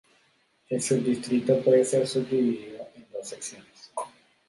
El subdistrito puede ser subdividido en dos secciones.